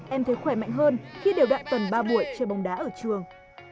em thấy khỏe mạnh hơn khi đều đạn tuần ba buổi chơi bóng đá ở trường